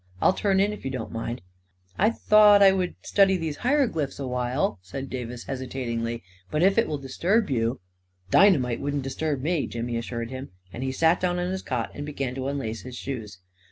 I'll turn in, if you don't mind." 41 1 thought I would study these hieroglyphics awhile," said Davis, hesitatingly; u but if it will dis turb you ..."" Dynamite wouldn't disturb me," Jimmy assured him ; and he sat down on his cot and began to unlace his shoes.